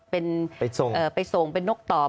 ไปส่งเป็นนกตอบ